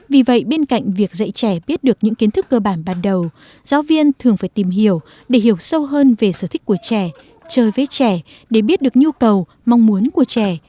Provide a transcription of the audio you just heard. vì vậy bên cạnh việc dạy trẻ biết được những kiến thức cơ bản ban đầu giáo viên thường phải tìm hiểu để hiểu sâu hơn về sở thích của trẻ chơi với trẻ để biết được nhu cầu mong muốn của trẻ